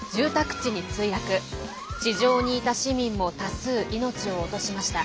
地上にいた市民も多数命を落としました。